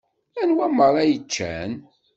Anwa meṛṛa i yeččan?